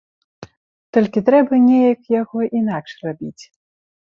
Толькі трэба неяк яго інакш рабіць.